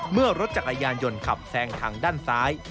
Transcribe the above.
เมื่อรถจักรยานยนต์ขับแซงทางด้านซ้าย